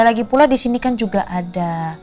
lagipula disini kan juga ada